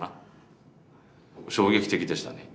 衝撃的でしたね。